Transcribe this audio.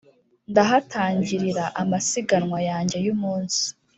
Ndahatangilira amasiganwa yanjye yumunsi